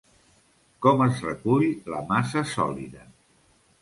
Com es recull la massa sòlida?